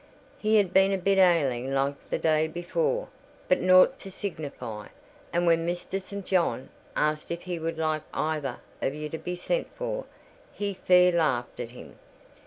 He had been a bit ailing like the day before, but naught to signify; and when Mr. St. John asked if he would like either o' ye to be sent for, he fair laughed at him.